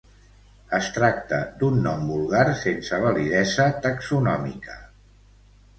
Es tracta d'un nom vulgar sense validesa taxonòmica.